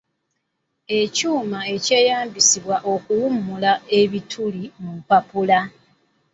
Akuuma akeeyambisibwa okuwumula ebituli mu mpapula.